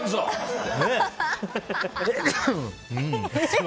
って。